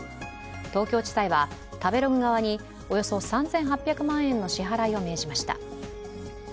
東京地裁は、食べログ側におよそ３８００万円の支払いを命じました。